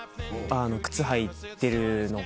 靴履いてるのが。